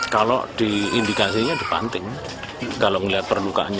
kalau diindikasinya dipanting kalau melihat perlukaannya